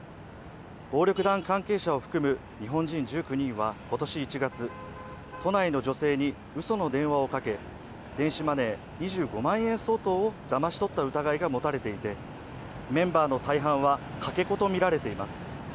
暴力団関係者を含む日本人１９人は、今年１月都内の女性にうその電話をかけ、電子マネー２５万円相当をだまし取った疑いが持たれていて、メンバーの大半はかけ子とみられています。